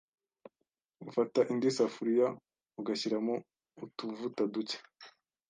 ufata indi safuriya ugashyiramo utuvuta duke,